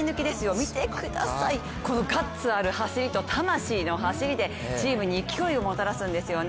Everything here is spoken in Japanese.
見てください、このガッツある走りと魂の走りで、チームに勢いをもたらすんですよね。